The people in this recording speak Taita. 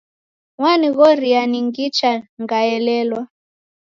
Wanighoria ningicha ngaelelwa